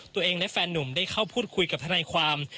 ตัวเองและแฟนหนุ่มได้เข้าพูดคุยกับทนายความ